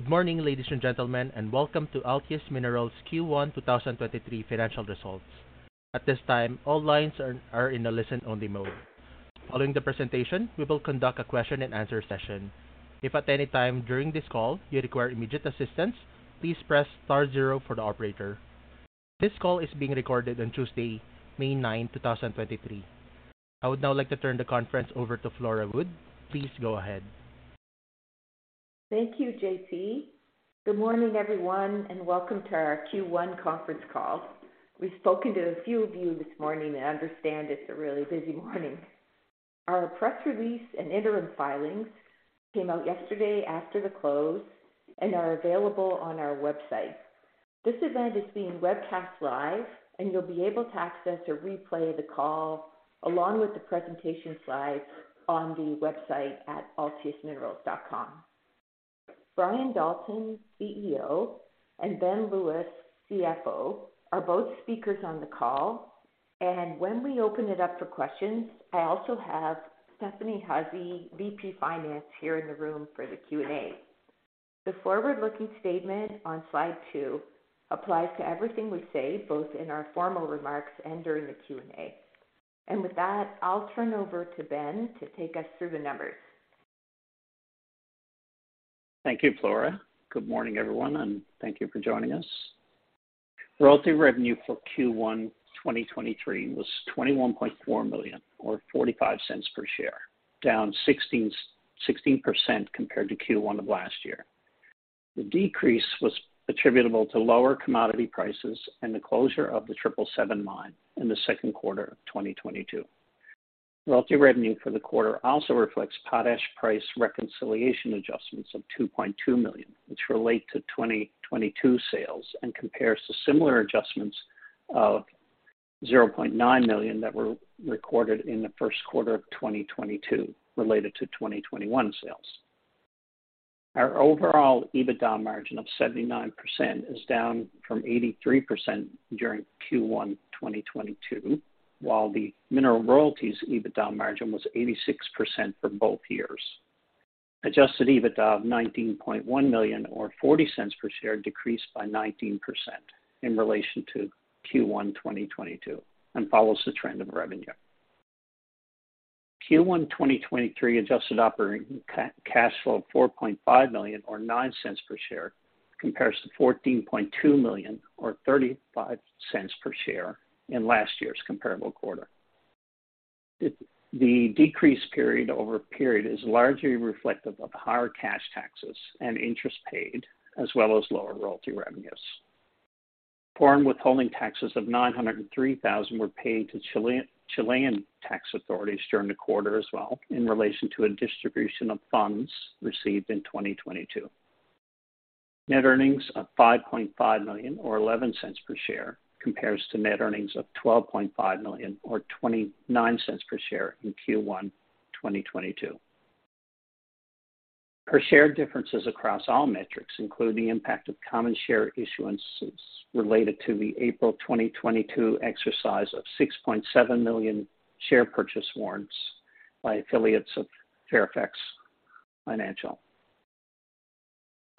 Good morning, ladies and gentlemen, and welcome to Altius Minerals Q1 2023 financial results. At this time, all lines are in a listen-only mode. Following the presentation, we will conduct a question and answer session. If at any time during this call you require immediate assistance, please press star zero for the operator. This call is being recorded on Tuesday, May ninth, 2023. I would now like to turn the conference over to Flora Wood. Please go ahead. Thank you, JC. Good morning, everyone, welcome to our Q1 conference call. We've spoken to a few of you this morning and understand it's a really busy morning. Our press release and interim filings came out yesterday after the close are available on our website. This event is being webcast live. You'll be able to access or replay the call along with the presentation slides on the website at altiusminerals.com. Brian Dalton, CEO, Ben Lewis, CFO, are both speakers on the call. When we open it up for questions, I also have Stephanie Hussey, VP Finance, here in the room for the Q&A. The forward-looking statement on slide two applies to everything we say, both in our formal remarks and during the Q&A. With that, I'll turn over to Ben to take us through the numbers. Thank you, Flora. Good morning, everyone, thank you for joining us. Royalty revenue for Q1 2023 was 21.4 million or 0.45 per share, down 16% compared to Q1 of last year. The decrease was attributable to lower commodity prices and the closure of the Triple Seven Mine in Q2 2022. Royalty revenue for the quarter also reflects potash price reconciliation adjustments of 2.2 million, which relate to 2022 sales and compares to similar adjustments of 0.9 million that were recorded in Q1 2022 related to 2021 sales. Our overall EBITDA margin of 79% is down from 83% during Q1 2022, while the mineral royalties EBITDA margin was 86% for both years. Adjusted EBITDA of 19.1 million or 0.40 per share decreased by 19% in relation to Q1 2022 and follows the trend of revenue. Q1 2023 adjusted operating cash flow of 4.5 million or 0.09 per share compares to 14.2 million or 0.35 per share in last year's comparable quarter. The decrease period-over-period is largely reflective of higher cash taxes and interest paid, as well as lower royalty revenues. Foreign withholding taxes of 903,000 were paid to Chilean tax authorities during the quarter as well in relation to a distribution of funds received in 2022. Net earnings of 5.5 million or 0.11 per share compares to net earnings of 12.5 million or 0.29 per share in Q1 2022. Per share differences across all metrics include the impact of common share issuances related to the April 2022 exercise of 6.7 million share purchase warrants by affiliates of Fairfax Financial.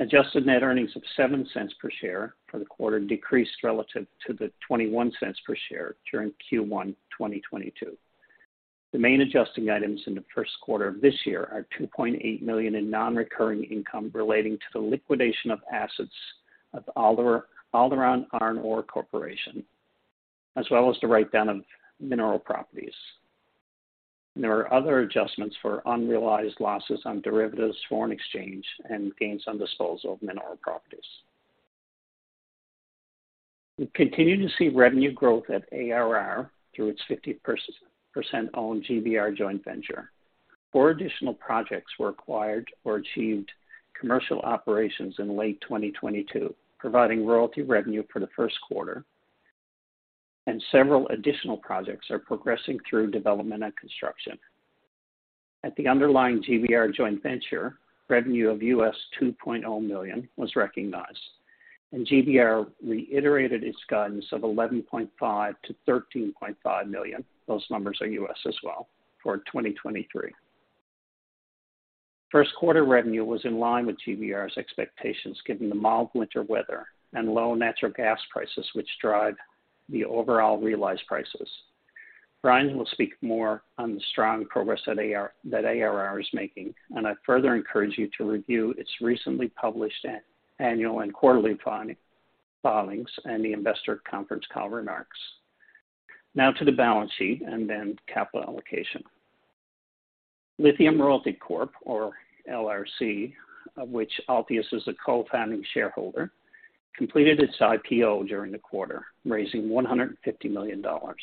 Adjusted net earnings of 0.07 per share for the quarter decreased relative to 0.21 per share during Q1 2022. The main adjusting items in the first quarter of this year are 2.8 million in non-recurring income relating to the liquidation of assets of Alderon Iron Ore Corporation, as well as the write-down of mineral properties. There are other adjustments for unrealized losses on derivatives, foreign exchange, and gains on disposal of mineral properties. We continue to see revenue growth at ARR through its 50% owned GBR joint venture. Four additional projects were acquired or achieved commercial operations in late 2022, providing royalty revenue for the first quarter, and several additional projects are progressing through development and construction. At the underlying GBR joint venture, revenue of $2.0 million was recognized, and GBR reiterated its guidance of $11.5 million-$13.5 million. Those numbers are US as well, for 2023. First quarter revenue was in line with GBR's expectations given the mild winter weather and low natural gas prices, which drive the overall realized prices. Brian will speak more on the strong progress that ARR is making, and I further encourage you to review its recently published annual and quarterly filings and the investor conference call remarks. Now to the balance sheet and then capital allocation. Lithium Royalty Corp, or LRC, of which Altius is a co-founding shareholder, completed its IPO during the quarter, raising 150 million dollars.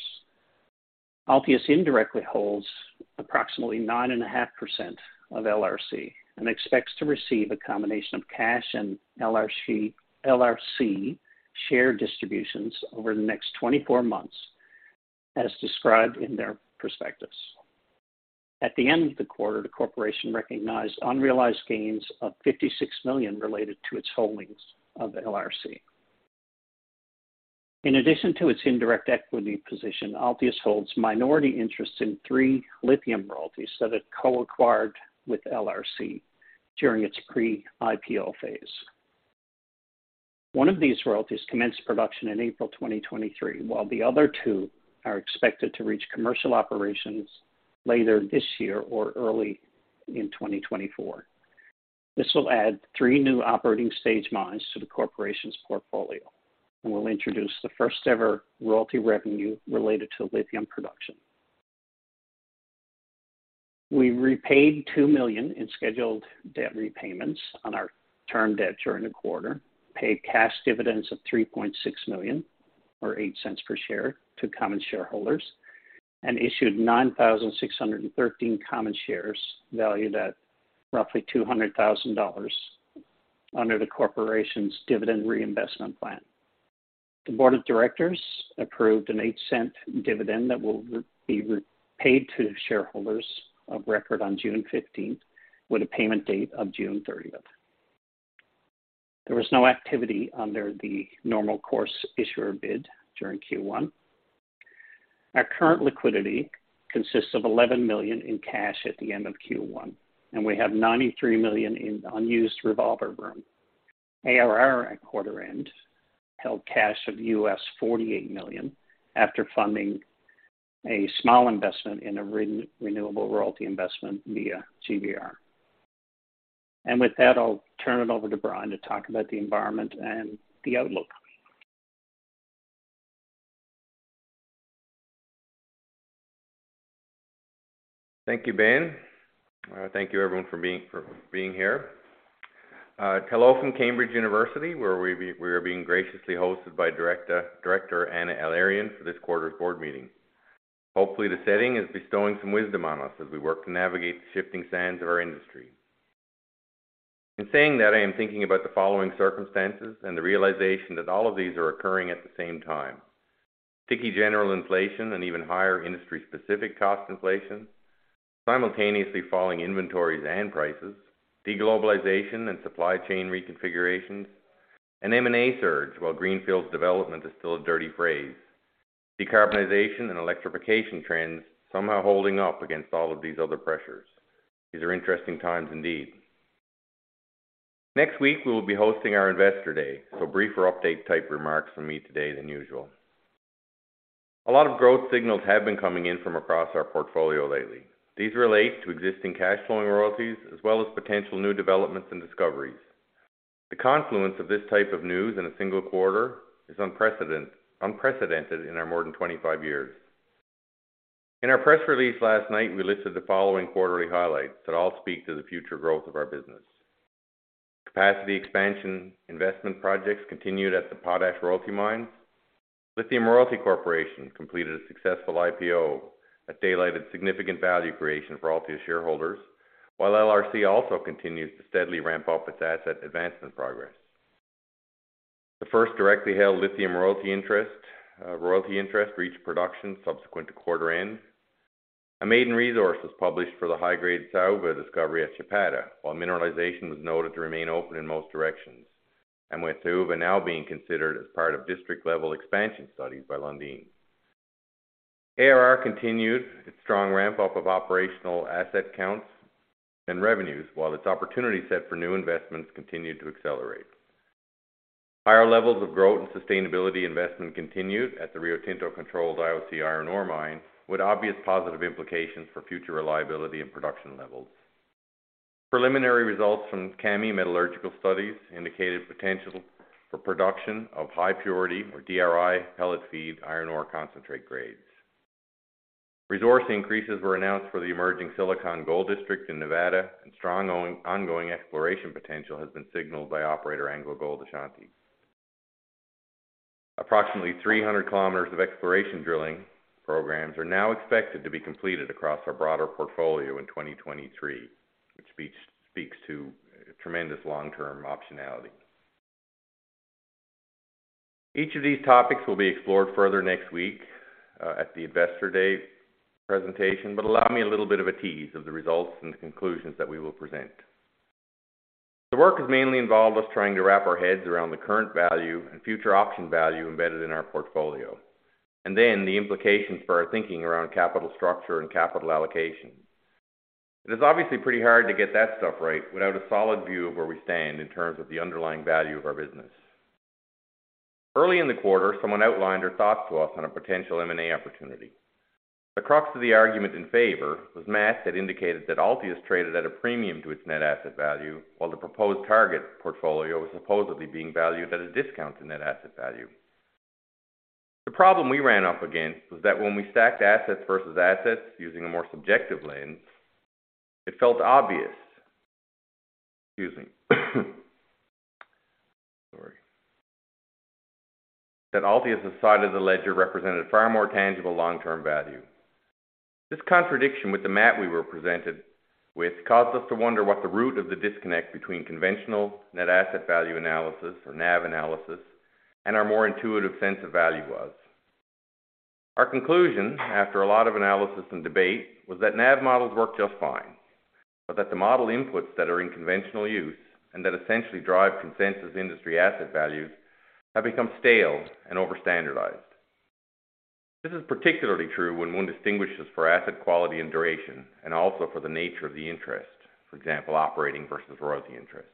Altius indirectly holds approximately 9.5% of LRC and expects to receive a combination of cash and LRC share distributions over the next 24 months as described in their perspectives. At the end of the quarter, the corporation recognized unrealized gains of 56 million related to its holdings of the LRC. In addition to its indirect equity position, Altius holds minority interest in three lithium royalties that it co-acquired with LRC during its pre-IPO phase. One of these royalties commenced production in April 2023, while the other two are expected to reach commercial operations later this year or early in 2024. This will add three new operating stage mines to the corporation's portfolio and will introduce the first-ever royalty revenue related to lithium production. We repaid 2 million in scheduled debt repayments on our term debt during the quarter, paid cash dividends of 3.6 million, or 0.08 per share to common shareholders, and issued 9,613 common shares valued at roughly 200,000 dollars under the corporation's dividend reinvestment plan. The board of directors approved an 0.08 dividend that will be repaid to shareholders of record on June 15th, with a payment date of June 30th. There was no activity under the normal course issuer bid during Q1. Our current liquidity consists of 11 million in cash at the end of Q1, and we have 93 million in unused revolver room. ARR at quarter end held cash of $48 million after funding a small investment in a renewable royalty investment via GBR. With that, I'll turn it over to Brian to talk about the environment and the outlook. Thank you, Ben. Thank you, everyone, for being here. Hello from Cambridge University, where we are being graciously hosted by Director Anna El-Erian for this quarter's board meeting. Hopefully, the setting is bestowing some wisdom on us as we work to navigate the shifting sands of our industry. In saying that, I am thinking about the following circumstances and the realization that all of these are occurring at the same time. Sticky general inflation and even higher industry-specific cost inflation, simultaneously falling inventories and prices, de-globalization and supply chain reconfigurations, M&A surge while greenfields development is still a dirty phrase. Decarbonization and electrification trends somehow holding up against all of these other pressures. These are interesting times indeed. Next week, we will be hosting our Investor Day, so briefer update type remarks from me today than usual. A lot of growth signals have been coming in from across our portfolio lately. These relate to existing cash flowing royalties as well as potential new developments and discoveries. The confluence of this type of news in a single quarter is unprecedented in our more than 25 years. In our press release last night, we listed the following quarterly highlights that all speak to the future growth of our business. Capacity expansion investment projects continued at the Potash Royalty Mine. Lithium Royalty Corporation completed a successful IPO that daylighted significant value creation for Altius shareholders, while LRC also continues to steadily ramp up its asset advancement progress. The first directly held lithium royalty interest reached production subsequent to quarter end. A maiden resource was published for the high-grade Saúva discovery at Chapada, while mineralization was noted to remain open in most directions, and with Saúva now being considered as part of district-level expansion studies by Lundin. ARR continued its strong ramp up of operational asset counts and revenues, while its opportunity set for new investments continued to accelerate. Higher levels of growth and sustainability investment continued at the Rio Tinto-controlled IOC iron ore mine, with obvious positive implications for future reliability and production levels. Preliminary results from Kami Metallurgical studies indicated potential for production of high purity or DRI pellet feed iron ore concentrate grades. Resource increases were announced for the emerging Silicon Gold District in Nevada. Strong ongoing exploration potential has been signaled by operator AngloGold Ashanti. Approximately 300 km of exploration drilling programs are now expected to be completed across our broader portfolio in 2023, which speaks to tremendous long-term optionality. Each of these topics will be explored further next week at the Investor Day presentation. Allow me a little bit of a tease of the results and the conclusions that we will present. The work has mainly involved us trying to wrap our heads around the current value and future option value embedded in our portfolio. Then the implications for our thinking around capital structure and capital allocation. It is obviously pretty hard to get that stuff right without a solid view of where we stand in terms of the underlying value of our business. Early in the quarter, someone outlined their thoughts to us on a potential M&A opportunity. The crux of the argument in favor was Matt had indicated that Altius traded at a premium to its net asset value, while the proposed target portfolio was supposedly being valued at a discount to net asset value. The problem we ran up against was that when we stacked assets versus assets using a more subjective lens, it felt obvious. Excuse me. Sorry. That Altius' side of the ledger represented far more tangible long-term value. This contradiction with the Matt we were presented with caused us to wonder what the root of the disconnect between conventional net asset value analysis or NAV analysis and our more intuitive sense of value was. Our conclusion after a lot of analysis and debate was that NAV models work just fine, but that the model inputs that are in conventional use and that essentially drive consensus industry asset values have become stale and over-standardized. This is particularly true when one distinguishes for asset quality and duration and also for the nature of the interest. For example, operating versus royalty interest.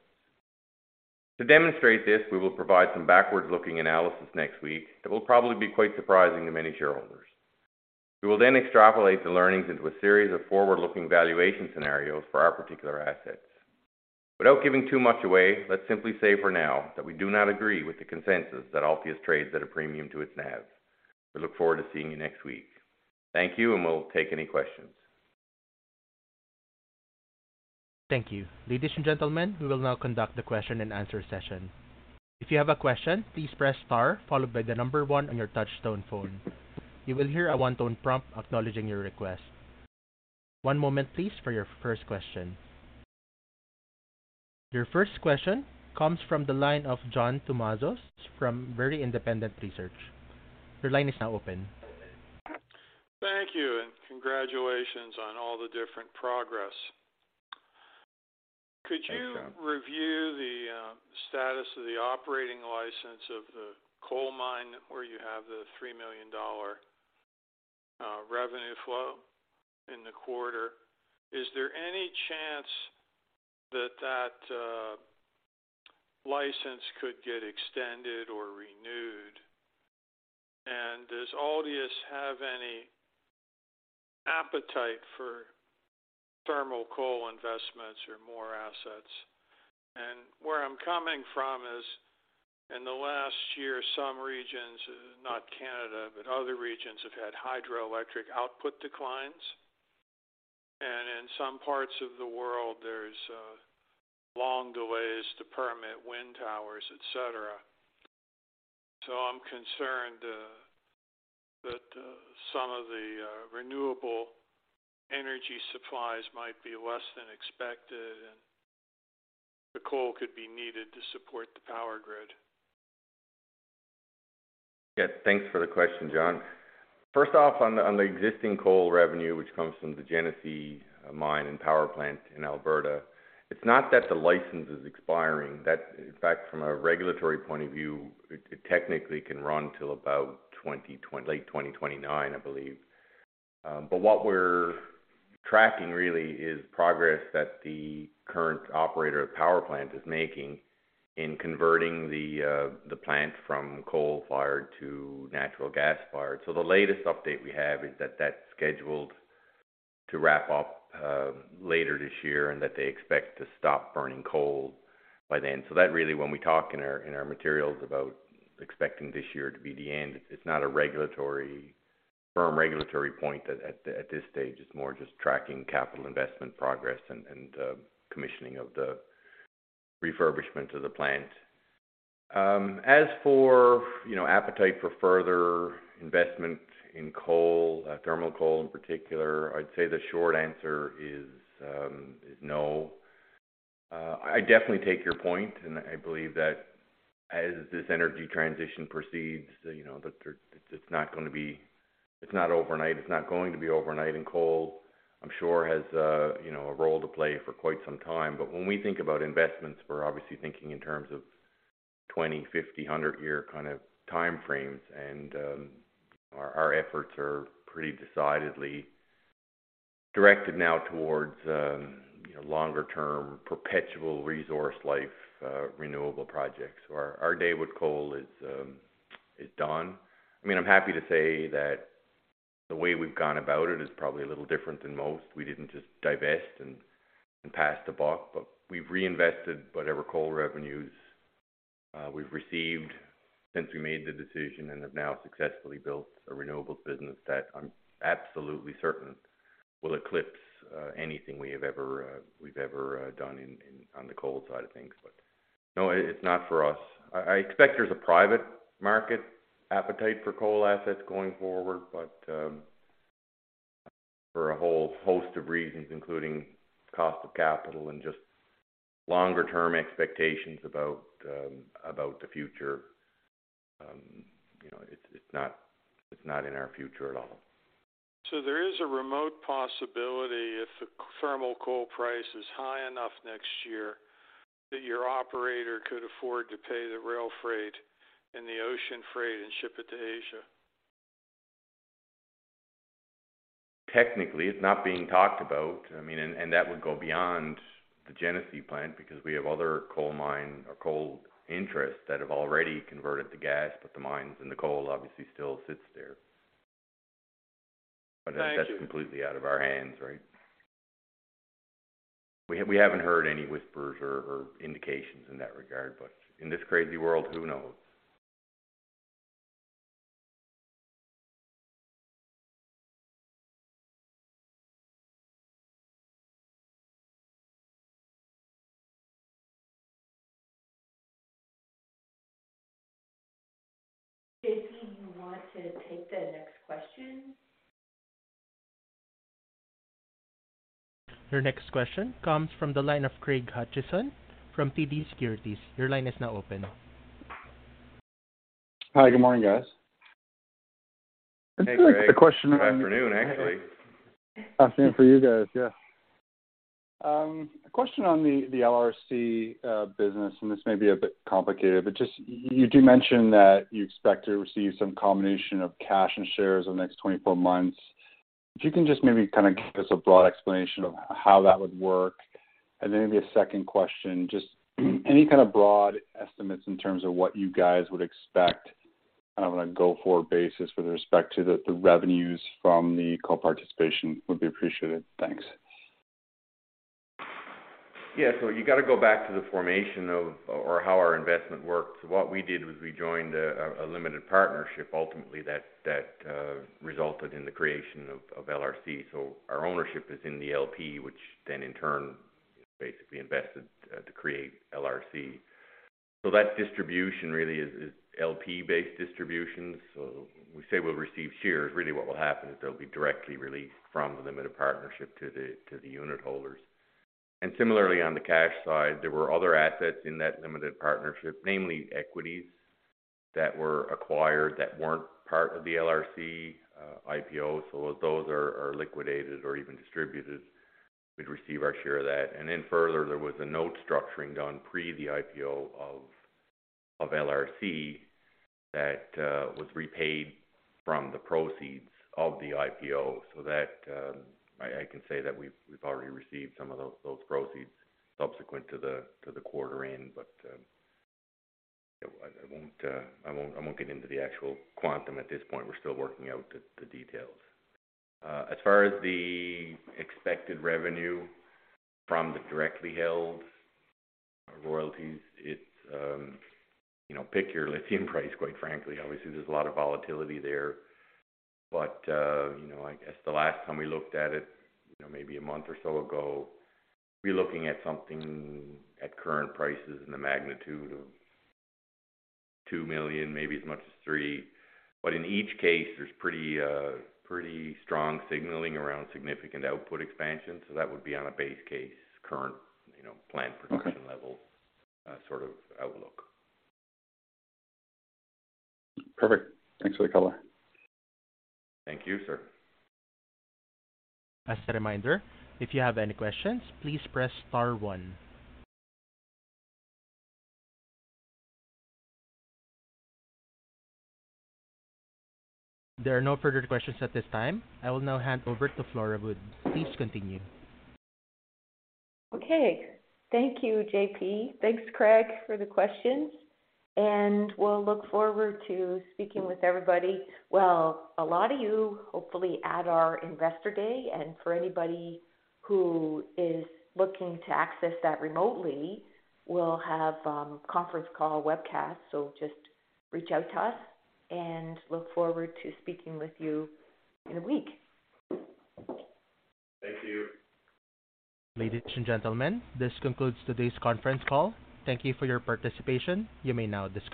To demonstrate this, we will provide some backward-looking analysis next week that will probably be quite surprising to many shareholders. We will extrapolate the learnings into a series of forward-looking valuation scenarios for our particular assets. Without giving too much away, let's simply say for now that we do not agree with the consensus that Altius trades at a premium to its NAV. We look forward to seeing you next week. Thank you. We'll take any questions. Thank you. Ladies and gentlemen, we will now conduct the question-and-answer session. If you have a question, please press star followed by the number one on your touch tone phone. You will hear a one-tone prompt acknowledging your request. One moment please for your first question. Your first question comes from the line of John Tumazos from Very Independent Research. Your line is now open. Thank you and congratulations on all the different progress. Thanks, John. Could you review the status of the operating license of the coal mine where you have the 3 million dollar revenue flow in the quarter? Is there any chance that that license could get extended or renewed? Does ARR have any appetite for thermal coal investments or more assets? Where I'm coming from is, in the last year, some regions, not Canada, but other regions, have had hydroelectric output declines. In some parts of the world, there's long delays to permit wind towers, et cetera. I'm concerned that some of the renewable energy supplies might be less than expected, and the coal could be needed to support the power grid. Yeah, thanks for the question, John. First off, on the existing coal revenue, which comes from the Genesee Mine and Power Plant in Alberta, it's not that the license is expiring. That in fact, from a regulatory point of view, it technically can run till about late 2029, I believe. What we're tracking really is progress that the current operator of power plant is making in converting the plant from coal-fired to natural gas-fired. The latest update we have is that that's scheduled to wrap up later this year and that they expect to stop burning coal by then. That really when we talk in our, in our materials about expecting this year to be the end, it's not a regulatory firm regulatory point at this stage. It's more just tracking capital investment progress and commissioning of the refurbishment of the plant. As for, you know, appetite for further investment in coal, thermal coal in particular, I'd say the short answer is no. I definitely take your point, and I believe that as this energy transition proceeds, you know, that it's not gonna be. It's not overnight. It's not going to be overnight. Coal, I'm sure has, you know, a role to play for quite some time. When we think about investments, we're obviously thinking in terms of 20, 50, 100 year kind of time frames. Our efforts are pretty decidedly directed now towards, you know, longer term perpetual resource life, renewable projects. Our day with coal is done. I mean, I'm happy to say that the way we've gone about it is probably a little different than most. We didn't just divest and pass the buck, but we've reinvested whatever coal revenues we've received since we made the decision and have now successfully built a renewables business that I'm absolutely certain will eclipse anything we have ever, we've ever done on the coal side of things. No, it's not for us. I expect there's a private market appetite for coal assets going forward, but for a whole host of reasons, including cost of capital and just longer term expectations about about the future, you know, it's not, it's not in our future at all. There is a remote possibility if the thermal coal price is high enough next year that your operator could afford to pay the rail freight and the ocean freight and ship it to Asia? Technically, it's not being talked about. I mean, and that would go beyond the Genesee plant because we have other coal mine or coal interests that have already converted to gas. The mines and the coal obviously still sits there. Thank you. That's completely out of our hands, right? We haven't heard any whispers or indications in that regard. In this crazy world, who knows? Jason, you want to take the next question? Your next question comes from the line of Craig Hutchison from TD Securities. Your line is now open. Hi. Good morning, guys. Hey, Craig. Good afternoon, actually. Afternoon for you guys. Yeah. A question on the LRC business, this may be a bit complicated, but just you do mention that you expect to receive some combination of cash and shares over the next 24 months. If you can just maybe kind of give us a broad explanation of how that would work. Then maybe a second question, just any kind of broad estimates in terms of what you guys would expect on a go-forward basis with respect to the revenues from the co-participation would be appreciated. Thanks. Yeah. You gotta go back to the formation of or how our investment works. What we did was we joined a limited partnership, ultimately, that resulted in the creation of LRC. Our ownership is in the LP, which then in turn is basically invested to create LRC. That distribution really is LP-based distribution. We say we'll receive shares. Really what will happen is they'll be directly released from the limited partnership to the unitholders. Similarly, on the cash side, there were other assets in that limited partnership, namely equities that were acquired that weren't part of the LRC IPO. As those are liquidated or even distributed, we'd receive our share of that. Further, there was a note structuring done pre the IPO of LRC that was repaid from the proceeds of the IPO. That I can say that we've already received some of those proceeds subsequent to the quarter end. I won't get into the actual quantum at this point. We're still working out the details. As far as the expected revenue from the directly held royalties, it's, you know, pick your lithium price, quite frankly. Obviously, there's a lot of volatility there. I guess the last time we looked at it, you know, maybe a month or so ago, we're looking at something at current prices in the magnitude of 2 million, maybe as much as 3 million. In each case, there's pretty strong signaling around significant output expansion. That would be on a base case current, you know, planned production level, sort of outlook. Perfect. Thanks for the color. Thank you, sir. As a reminder, if you have any questions, please press star one. There are no further questions at this time. I will now hand over to Flora Wood. Please continue. Okay. Thank you, JP. Thanks, Craig, for the questions, and we'll look forward to speaking with everybody. Well, a lot of you hopefully at our investor day, and for anybody who is looking to access that remotely, we'll have a conference call webcast. Just reach out to us, and look forward to speaking with you in a week. Thank you. Ladies and gentlemen, this concludes today's conference call. Thank you for your participation. You may now disconnect.